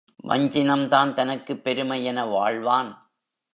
வஞ்சினம்தான் தனக்குப் பெருமை என வாழ்வான்.